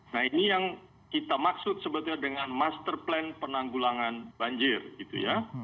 nah ini yang kita maksud sebetulnya dengan master plan penanggulangan banjir gitu ya